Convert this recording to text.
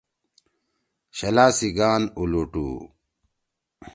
شلا سی گان اُلُوٹ